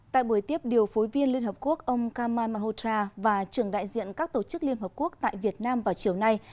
tại buổi tiếp điều phối viên liên hợp quốc ông kamal mahotra và trưởng đại diện các tổ chức liên hợp quốc tại việt nam vào chiều nay